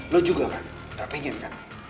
lo juga kan gak pengen kan